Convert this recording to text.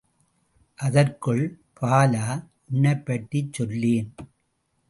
அதற்குள், பாலா, உன்னைப் பற்றிச் சொல்லேன்!